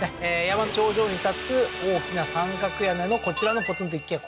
山の頂上に建つ大きな三角屋根のこちらのポツンと一軒家